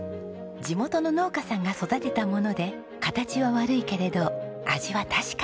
地元の農家さんが育てたもので形は悪いけれど味は確か。